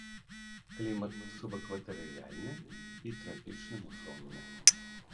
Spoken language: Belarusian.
Клімат субэкватарыяльны і трапічны мусонны.